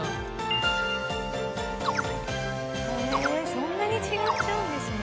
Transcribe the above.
そんなに違っちゃうんですね。